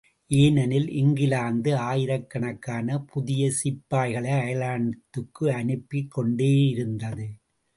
ஏனெனில், இங்கிலாந்து ஆயிரக்கணக்கான புதிய சிப்பாய்களை அயர்லாந்துக்கு அனுப்பிக் கொண்டேயிருந்தது.